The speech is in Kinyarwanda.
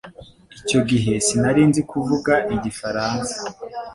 Icyo gihe sinari nzi kuvuga igifaransa.